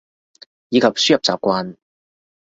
以及輸入習慣